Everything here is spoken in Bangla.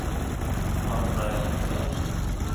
ঘর প্রায় অন্ধকার।